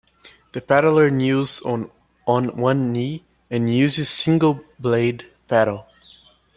The paddler kneels on one knee, and uses a single-blade paddle.